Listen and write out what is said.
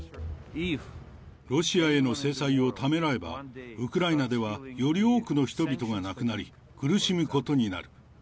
ロシアへの制裁をためらえば、ウクライナではより多くの人々が亡くなり、苦しむことになる。